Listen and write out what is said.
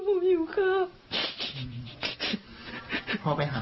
หรือตัวนี้บ้างหรือข้าว